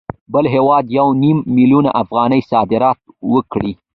بل هېواد یو نیم میلیون افغانۍ صادرات وکړي